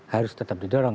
harus tetap didorong